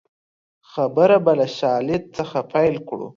خبره به له شالید څخه پیل کړو